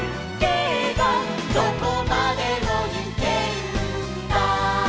「どこまでもゆけるんだ」